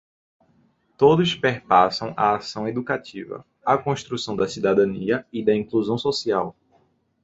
Todos perpassam a ação educativa, a construção da cidadania e da inclusão social